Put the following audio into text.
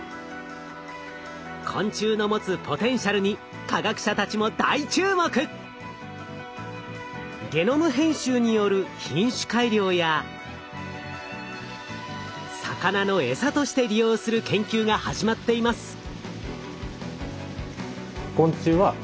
昆虫の持つポテンシャルに科学者たちもゲノム編集による品種改良や魚のエサとして利用する研究が始まっています。